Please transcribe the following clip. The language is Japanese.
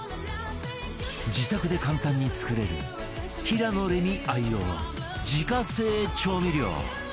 自宅で簡単に作れる平野レミ愛用自家製調味料